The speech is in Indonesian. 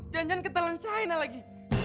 janjan ketelan shayna lagi